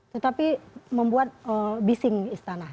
tetapi membuat bising istana